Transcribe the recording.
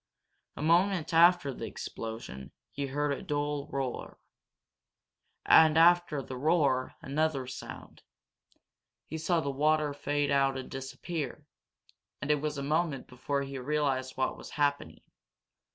A moment after the explosion, he heard a dull roar. And after the roar another sound. He saw the water fade out and disappear, and it was a moment before he realized what was happening.